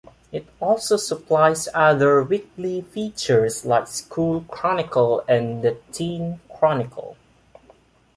It also supplies other weekly features like "School Chronicle" and "Teen Chronicle".